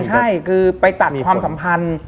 ใช่คือไปตัดความสัมพันธ์